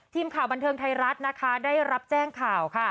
ทีมข่าวบนทัลบันทึงไทรรัฐได้รับแจ้งข่าว